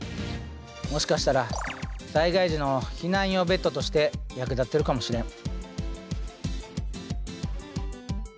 もしかしたら災害時の避難用ベッドとして役立ってるかもしれん。